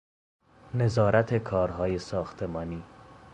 نظارت کارهای ساختمانی